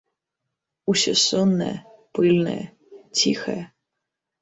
Усё соннае, пыльнае, ціхае.